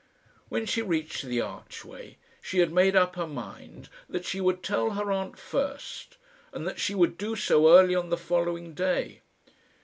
When she reached the archway, she had made up her mind that she would tell her aunt first, and that she would do so early on the following day.